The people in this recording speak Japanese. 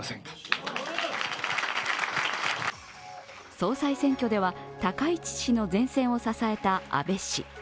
総裁選挙では、高市氏の善戦を支えた安倍氏。